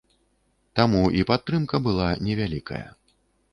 Таму і падтрымка была невялікая.